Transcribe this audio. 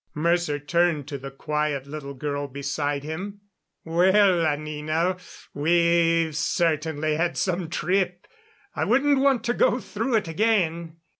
Mercer turned to the quiet little girl beside him. "Well, Anina, we've certainly had some trip. I wouldn't want to go through it again."